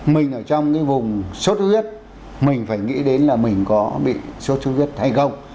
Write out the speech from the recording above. mình ở trong cái vùng sốt huyết mình phải nghĩ đến là mình có bị sốt xuất huyết hay không